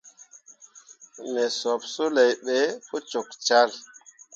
Me sup suley ɓe pu cok cahl.